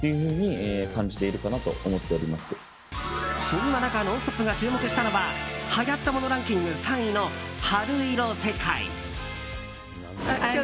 そんな中「ノンストップ！」が注目したのは流行ったモノランキング３位のハルイロセカイ。